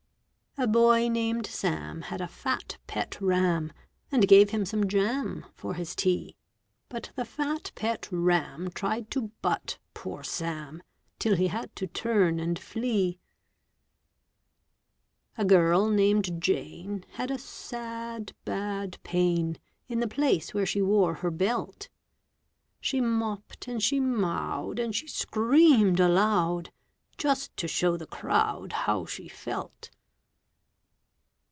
A boy named Sam Had a fat pet ram, And gave him some jam For his tea; But the fat pet ram Tried to butt poor Sam, Till he had to turn And flee. A girl named Jane Had a sad, bad pain In the place where she wore Her belt; She mopped and she mowed, And she screamed aloud, Just to show the crowd How she felt.